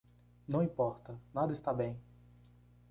Não importa, nada está bem.